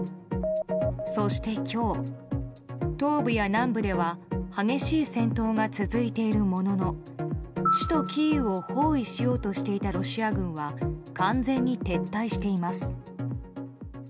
そして今日、東部や南部では激しい戦闘が続いているものの首都キーウを包囲しようとしていたロシア軍は完全に撤退しています。